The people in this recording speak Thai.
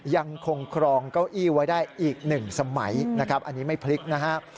ยังคงครองเก้าอี้ไว้ได้อีกหนึ่งสมัยนะครับอันนี้ไม่พลิกนะครับ